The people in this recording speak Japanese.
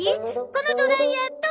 このドライヤーと。